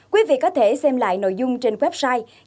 quý vị có thể xem lại nội dung trên website